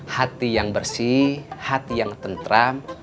hati yang bersih hati yang tentram